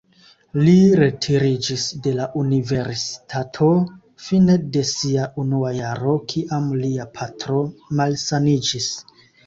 Li retiriĝis de la universitato fine de sia unua jaro, kiam lia patro malsaniĝis.